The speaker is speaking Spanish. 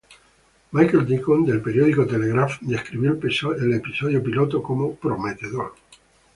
Michael Deacon, del periódico "Telegraph", describió el episodio piloto como "prometedor".